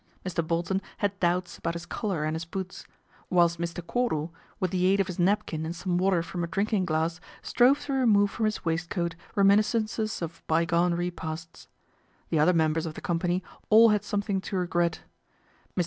Mr. Bolton had doubts about his collar and his boots, whilst Mr. Cordal, with the aid of his napkin and some water from a drinking glass, strove to remove from his waistcoat remin iscences of bygone repasts. The other members of the company all had something to regret. Mr.